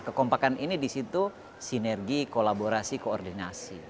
kekompakan ini disitu sinergi kolaborasi koordinasi